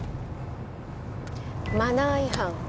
マナー違反。